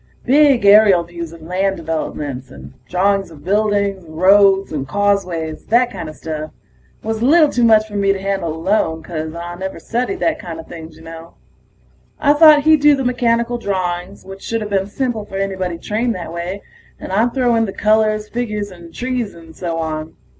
Big aerial views of land developments, and drawings of buildings, roads and causeways, that kinda stuff. Was a little too much for me to handle alone, 'cause I never studied that kinda things, ya know. I thought he'd do the mechanical drawings, which shoulda been simple for anybody trained that way, and I'd throw in the colors, figures and trees and so on.